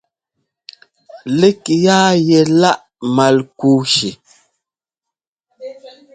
Lík yaa yɛ láʼ Malkúshi.